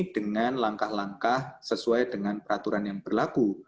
dengan langkah langkah sesuai dengan peraturan yang berlaku